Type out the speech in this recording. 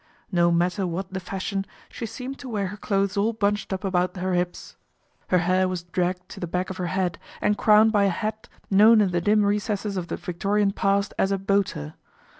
No matter what the fashion, she seemed to wear her clothes all bunched up about 8o PATRICIA BRENT, SPINSTER her hips. Her hair was dragged to the back of her head, and crowned by a hat known in the dim recesses of the Victorian past as a " boater."